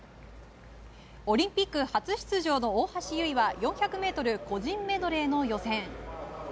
オリンピック初出場の大橋悠依は４００ｍ個人メドレーの予選。